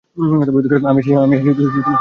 আমি এসেছি তোমাকে সাহায্য করতে।